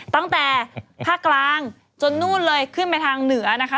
ตั้งแต่ภาคกลางจนนู่นเลยขึ้นไปทางเหนือนะคะ